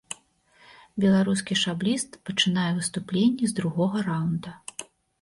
Беларускі шабліст пачынае выступленні з другога раўнда.